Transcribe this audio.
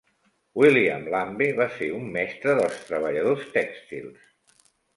William Lambe va ser un mestre dels treballadors tèxtils.